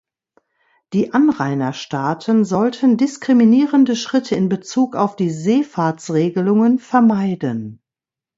Die Anrainerstaaten sollten diskriminierende Schritte in Bezug auf die Seefahrtsregelungen vermeiden.